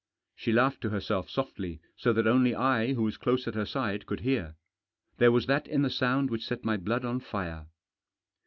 She laughed to herself softly, so that only I, who was close at her side, could hear. There was that in the sound which set my blood on fire.